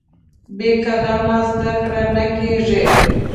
بې قلمه زده کړه نه کېږي.